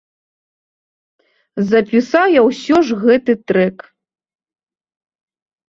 Запісаў я ўсё ж гэты трэк.